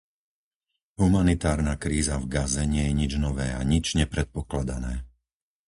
Humanitárna kríza v Gaze nie je nič nové a nič nepredpokladané.